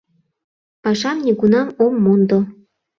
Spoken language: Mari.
— Пашам нигунам ом мондо.